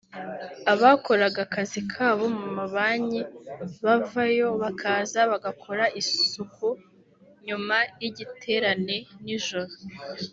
abakoraga akazi kabo mu mabanki bavayo bakaza bagakora isuku nyuma y’igiterane nijoro